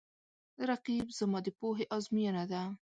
رقیب زما د پوهې آزموینه ده